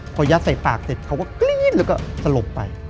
พอยัดใส่ปากเสร็จเขาก็กรี๊ดแล้วก็สลบไป